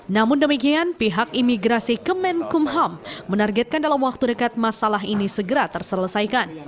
namun demikian pihak imigrasi kemenkumham menargetkan dalam waktu dekat masalah ini segera terselesaikan